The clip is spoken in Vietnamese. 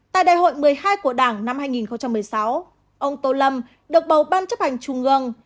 tại đại hội một mươi hai của đảng năm hai nghìn một mươi sáu ông tô lâm được bầu ban chấp hành trung ương